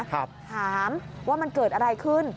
ถามว่ามันเกิดอะไรขึ้น